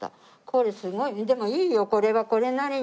これすごいでもいいよこれはこれなりに。